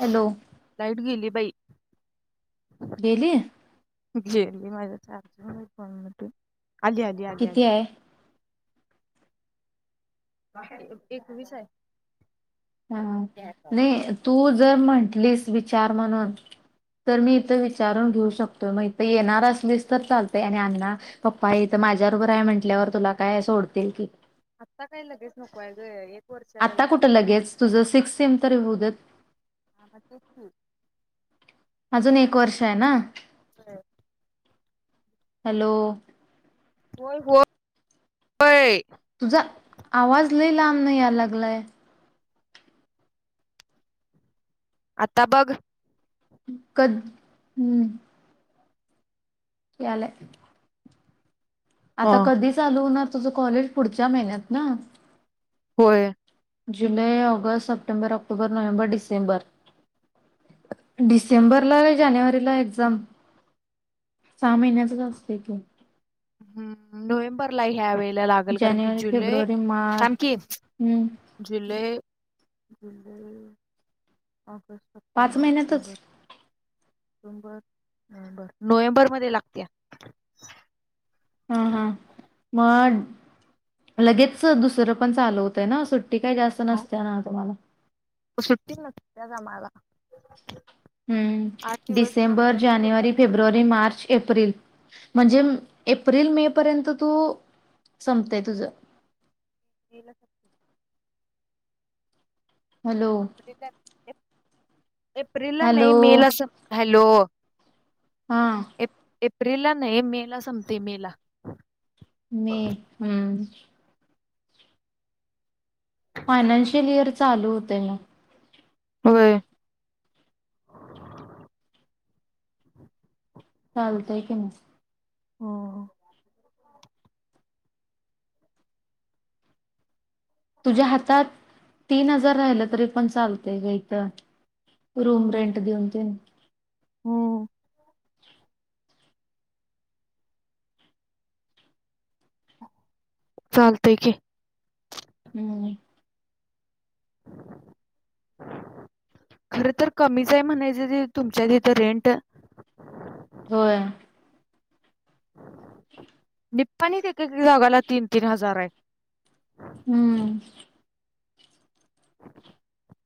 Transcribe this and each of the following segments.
Hello light गेली बाई गेली माझत आली आली किती आली आहे एकविस आहे हा नाही तू जर म्हटलीस विचार म्हणून तर मी इथं विचारून घेऊ शकतोय मग इथे येणार असलीस तर चालतय आणि अण्णा पप्पा इथं माझ्या बरोबर‌ आहे म्हटल्यावर तुला काय सोडतील की आत्ता काय लगेच नकोय गं आता कुठं लगेच तुझं सिक्स सेम तर होऊ देत अजून एक वर्ष आहे ना होय हॅलो होय हो होय तुझा आवाज लय लांबन याय लागलाय आता बघ कद हुं यालय ह आता कधी चालू होणार तुझं कॉलेज पुढच्या महिन्यात ना? होय. जुलै, August, September, October, November, December. डिसेंबरला हाय जानेवारीला एक्झाम. सहा महिन्याचच असते की. नोव्हेंबरला ह्यावेळे आपल्या लागल कारण की जानेवारी जुलै फेब्रुवारी मार्च थांब की हम्म जुलै [unintelligible] [unintelligible] ऑगस्ट, पाच सप्टेंबर, महिन्यातच ऑक्टोबर. नोव्हेंबर मध्ये लागत्या. हा हा मग लगेच दुसरं पण चालू होतय ना. सुट्टी काय जास्त नसत ना तुम्हांला? सुट्टी नसत्याच आम्हांला. [unintelligible] हुं डिसेंबर, आमचा मी जानेवारी, घेतला फेब्रुवारी, मार्च, एप्रिल. म्हणजे एप्रिल मे पर्यंत तू संपतय तुझं केलं [unintelligible] हॅलो. एप्रिल ला नाही हॅलो मे ला सपतय हॅलो. हा. एप्रिल ला नाही मे ला संपतय मे ला मे हुं. फायनान्शियल इयर चालू होतय. होय. चालतंय की नाही. हो. तुझ्या हातात तीन हजार राहिलं तरी पण चालतंय ग इथं. रूम रेंट देऊन ते. हुं. चालतंय की. हुं. [unintelligible] खरं तर कमीच आहे म्हणायचं ते तुमच्या तिथ रेंट होय. निपाणीत एक -एक जागाला तीन- तीन हजार आहे. हुं. [unintelligible]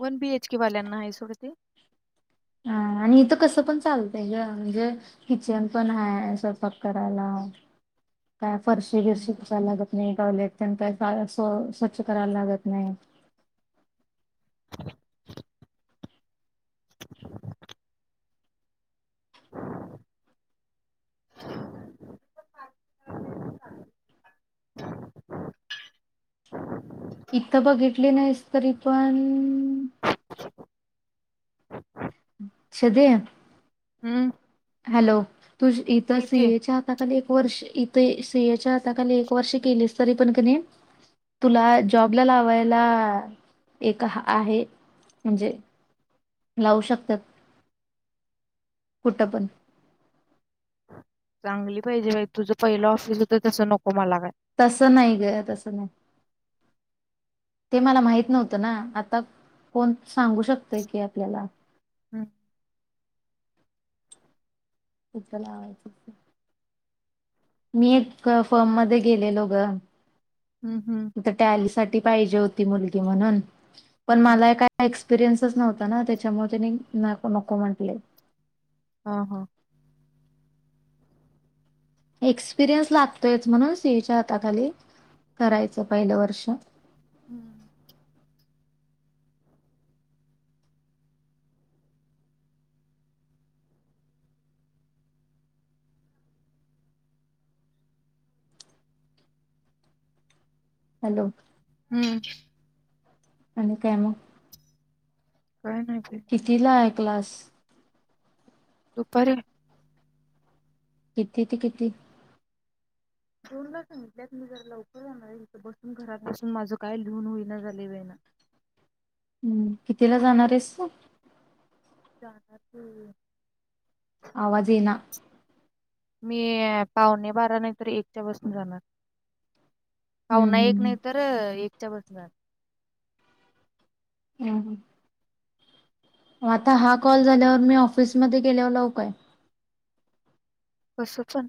वन, बी, एच, के वाल्यांना आहे सोड ते. हा. आणि इथ कसं पण चालतंय ग म्हणजे किचन पण हाय स्वयपाक करायला. काय फरशी बिरशी हम्म फुसाय लागत नाही. नाही टॅब्लेट पण त्यां का स्व स्वच्छ करायला लागत नाही. इथं बघितली नाहीस तरी पण, शदे हुं. हॅलो तुझ इथ सी, ए च्या हाता खाली एक वर्ष- ते सि, ए च्या हाताखाली एक वर्ष केलेस तरी पण का नाही. तुला जॉबला लावायला एक आहे म्हणजे. लावू शकतात कुठं पण चांगली पाहिजे बाई तुझं पहिलं ऑफिस होत तसं नको मला काय. तसं नाही ग तसं नाही. ते मला माहित नव्हतं ना आता कोण सांगू शकतय की आपल्याला, हम् इथं लावायाचं ते मी एक फर्म मध्ये गेलेलो ग हम्म हम्म तिथं टॅली साठी, पाहिजे होती मुलगी म्हणून पण हम्म. मला काय एक्सप्रेन्स नव्हता. ना त्याच्यामुळे त्याने नको नको म्हटले. हा हा एक्सपिरयन्स लागतोयच म्हणून सीईच्या हाता खाली, करायचं पहिलं वर्ष हम्म हॅलो, हम्म आणि काय म काय नाही ते क्लास दुपारी किती ते किती दोनला सांगितल्यात मी जर लवकर जाणार आहे तर बसून घरात बसून माझं काय लिहून होईना झाले बाईना हम् कितीला जाणार आहेस? जानार कि, आवाज येना मी पावणे बारा नाहीतर एकच्या बसन जाणार. हम्म पावना एक हम्म नाही हम्म. तर एकच्या बसन जाणार. हम् ह आता हा कॉल झाल्यावर मी ऑफिसमध्येध्ये गेल्यावर लवू काय? कस पण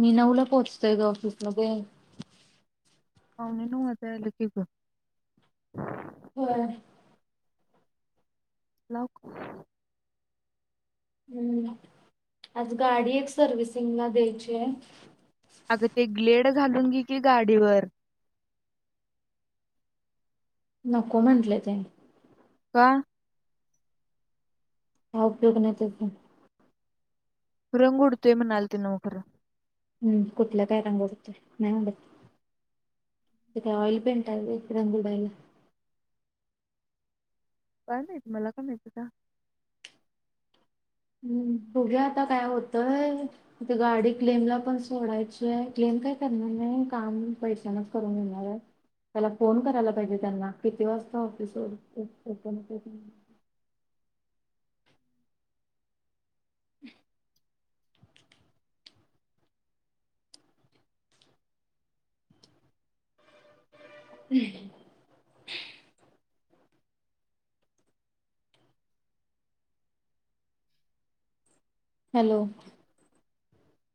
मी नऊला पोहोचतोय ग ऑफिस मध्ये, पाहुणेनऊ वाजाय आलं कि ग होय. लावूका हम्म आज गाडी एक सर्व्हसिंगला द्यायची आहे. अग ते ग्लेड घालून घे की गाडीवर नको म्हटले ते का काही उपयोग नाही त्याचा रंग उडतोय मनालती नव खर हम्म कुठल्या काय रंग उडतय नाही उडत, त काय ऑइल पेंट आहे एक रंग उडायला, काय माहित मला का माहती का, हम्म बघूया आता काय होतय ते गाडी क्लेम ला पण सोडायचीय क्लेम, काय करणार नाही काम पैशनाच करून घेणार आहे. त्याला फोन करायला पाहिजे त्यांना किती वाजता ऑफिसवर, ह हम् हॅलो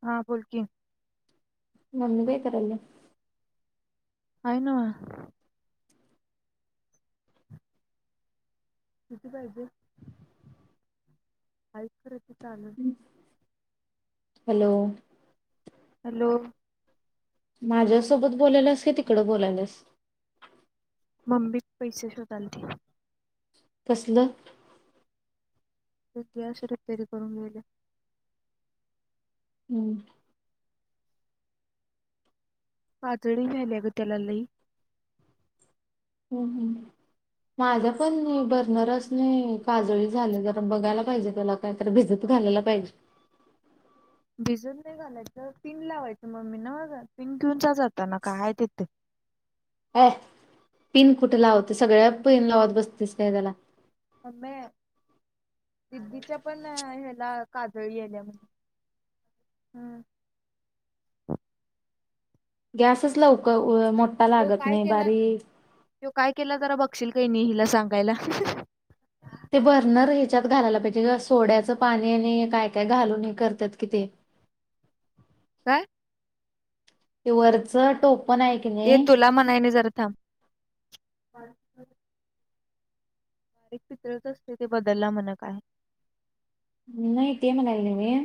हा बोल की मम्मी काय करायले. आहेना, किती पाहिजे? तिचा आनंद हॅलो हॅलो माझ्यासोबत बोलायल्यास की तिकडं बोलायल्यास? मम्मी पैशे शोधालती कसलं? ते गॅस रिपेरी करून गेले. हम्म. काजळी व्हाल्या गं त्याला लई. हम्म हम्म माझं पण बर्नरासानी काजळी झाल्या जरा बघायला पाहिजे त्याला काहीतरी भिजत घालायला पाहिजे. भिजून नाही घालायचं पिन लावायचं मममी नवं ग पिन घेऊन जाताना काय आहे तिथे? ऐ पिन कुठे लावते सगळ्या पिन लावत बसतेस का त्याला. मम्मे दीदीच्या पण ह्याला काजळी याल्या म्हण. हम्म. गॅसच लवकर मोठा लागत नाही बारीक त्यो काय केला जरा बघशील का हीनी हिला सांगायला. ते बर्नर ह्याच्यात घालायला पाहिजे ग सोड्याचं पाणी आणि काय काय घालून हे करत्यात कि ते. [inaudible] काय? ते वरचं टोप ये तुला म्हणायले जरा थांब बारीक चितळच असतय ते बदलला म्हण काय. नाही ते म्हणायले मी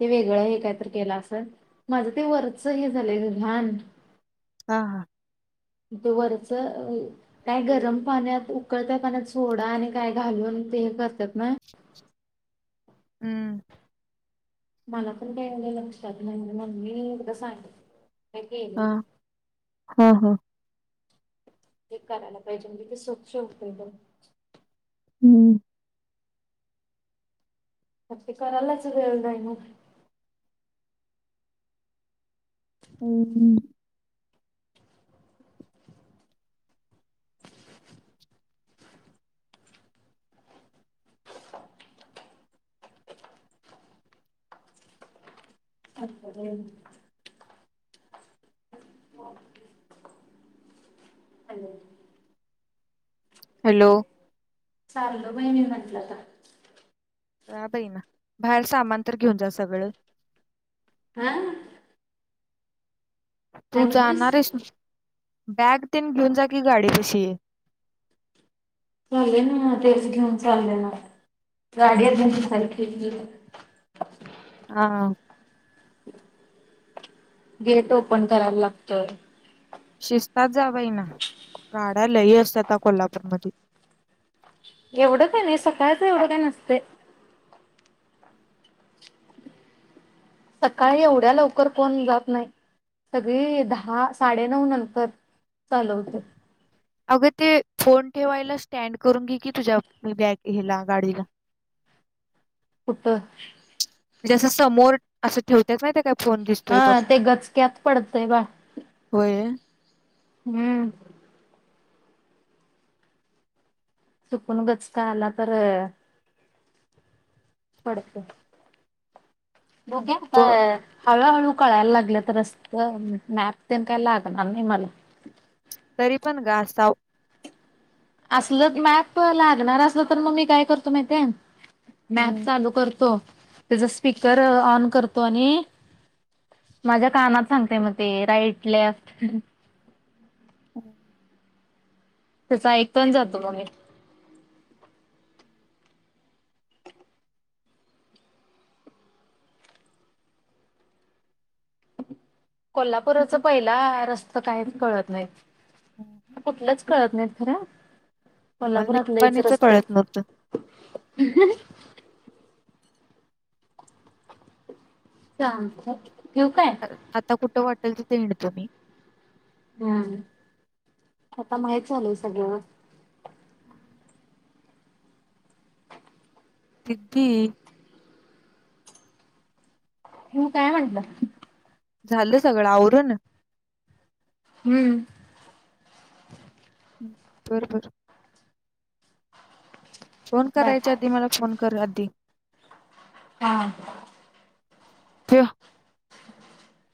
ते वेगळं ये हे काय तर केला असल माझं ते वरच हे झालंय घाण. हा हा वरच काय गरम पाण्यात उकळत्या पाण्यात सोडा आणि काय घालून ते हे करतात नवं. हम्म. मला पण काय एवढं लक्षात नाही मम्मी एकदा सांगि काय केलेली. हं हं. ते करायला पाहिजे म्हणजे ते स्वच्छ होते एकदम. हम्म. मग ते करायलाच वेळ नाही नवं. हम्म. [unintelligible] [unintelligible] हॅलो चाल्लो वहिणी म्हंटल आता. जा बाई ना बाहेर सामान तर घेऊन जा सगळं. हा काय तू म्हटलीस जाणार आहेस? बॅग तेन घेऊन जा की गाडी पशी. चालले नवं तेच घेऊन चालले ना. गाडी अजून पुसायची आहे मी. हा गेट ओपन करायला लागतोय. शिस्तात जा बाई ना गाड्या लई असतात कोल्हापूर मध्ये. एवढं काही नाही सकाळी तेवढं काय नसतय. सकाळी एवढ्या लवकर कोण जात नाही. सगळे दहा साडेनऊ नंतर, चालू होतय. अगं ते फोन ठेवायला स्टँड करून घे की, तुझ्या मी बॅग गाडीला. कुठं? जसं समोर असं ठेवत्यात माहितेय काय फोन दिसतोय बघ. हा ते गचक्यात पडतंय बाळ व्हय हम्म. चुकून गचका आला तर पडतय. बुघ्या ब ह हळूहळू कळायला लागलेत रस्त, मॅप तेन काय लागणार नाही मला. तरी पण ग आसाव. असल मॅप लागणार असल तर मग मी काय करतो माहित आहे मॅप हम्म चालू करतो, त्याचा स्पीकर ऑन करतो आणि माझ्या कानात सांगतेय मग ते राईट, लेफ्ट हम्म. त्याच ऐकतो आणि जातो मग मी. कोल्हापुरच पहिला रस्ता काहीच कळत नाहीत. हम्म कुठलंच कळत नाहीत खर. मला कोल्हापुरात लईच निप्पाणीच रस्तय. कळत नव्हतं चालतंय. ठेवू काय? आता कुठं वाटेल तित हिंडतो मी. हम्म आता माहित झालय सगळ. किती? ठिऊ काय म्हटलं? झालं सगळं आवरुण? हम्म. बरबर. फोन बाय करायच्या आधी, मला फोन कर आधी. हा. ठेव. [inaudible]